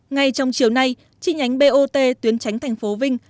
ngay trong chiều nay chi nhánh bot tuyến tránh thành phố vinh